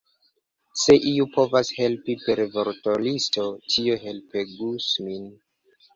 Se iu povus helpi per vortolisto, tio helpegus min!